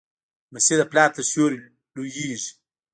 لمسی د پلار تر سیوري لویېږي.